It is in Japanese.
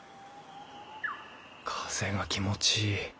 風が気持ちいい。